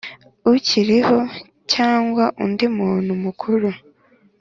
ukiriho cyangwa undi muntu mukuru